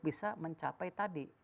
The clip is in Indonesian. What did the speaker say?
bisa mencapai tadi